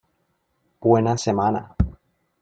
Buena semana.